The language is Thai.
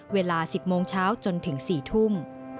เวลา๑๐โมงเช้าจนถึง๔ทุ่ม